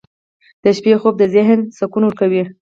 • د شپې خوب د ذهن سکون ورکوي.